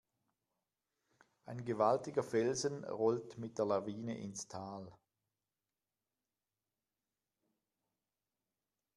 Ein gewaltiger Felsen rollte mit der Lawine ins Tal.